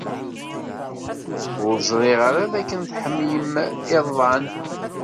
Ur ẓriɣ ara dakken tḥemmlem iḍan.